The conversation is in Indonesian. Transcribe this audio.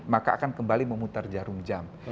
maka akan kembali memutar jarum jam